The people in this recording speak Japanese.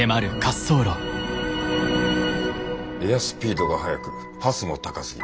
エアスピードが速くパスも高すぎた。